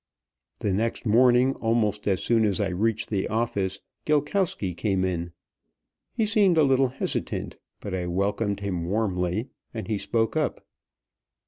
The next morning, almost as soon as I reached the office, Gilkowsky came in. He seemed a little hesitant, but I welcomed him warmly, and he spoke up.